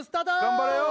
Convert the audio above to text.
頑張れよ